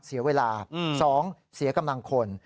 เสียเวลา๒เสียกำลังคน